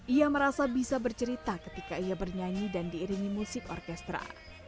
ia merasa bisa bercerita ketika ia bernyanyi dan diiringi musik orkestra